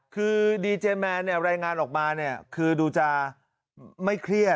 คือดีเจแมนรายงานออกมาเนี่ยคือดูจะไม่เครียด